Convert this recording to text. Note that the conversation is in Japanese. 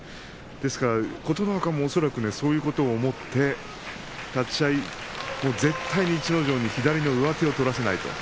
ですから琴ノ若もそのことを思って立ち合い絶対に逸ノ城に左の上手を取らせない。